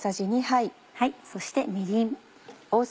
そしてみりん。